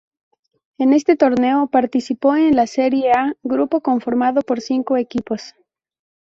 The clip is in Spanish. En este torneo, participó en la "Serie A", grupo conformado por cinco equipos.